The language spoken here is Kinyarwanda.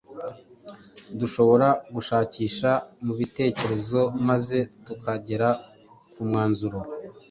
dushobora gushakisha mu bitekerezo maze tukagera ku mwanzuro